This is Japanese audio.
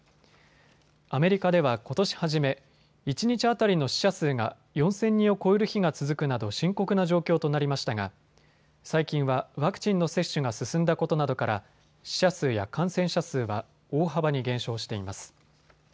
アメリカではことし初め、一日当たりの死者数が４０００人を超える日が続くなど深刻な状況となりましたが最近はワクチンの接種が進んだことなどから死者数や感染者数は大幅に減少しています。